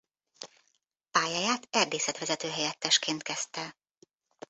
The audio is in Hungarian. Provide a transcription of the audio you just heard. Pályáját erdészetvezető-helyettesként kezdte.